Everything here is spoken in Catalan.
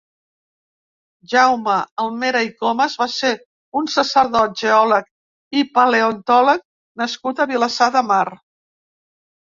Jaume Almera i Comas va ser un sacerdot, geòleg i paleontòleg nascut a Vilassar de Mar.